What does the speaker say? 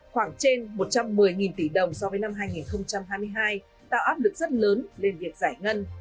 khoảng trên một trăm một mươi tỷ đồng so với năm hai nghìn hai mươi hai tạo áp lực rất lớn lên việc giải ngân